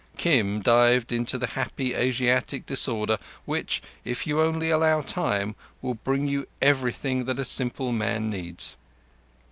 Kim dived into the happy Asiatic disorder which, if you only allow time, will bring you everything that a simple man needs.